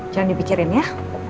jangan dipikirin ya